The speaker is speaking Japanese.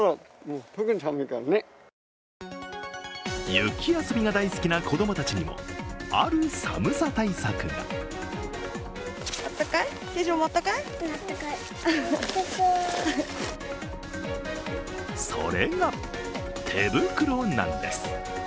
雪遊びが大好きな子供たちにもある寒さ対策がそれが手袋なんです。